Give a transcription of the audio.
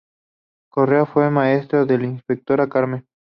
Correa fue maestro de Inspectora Carmen.